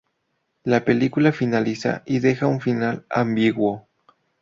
La película finaliza y deja un final ambiguo.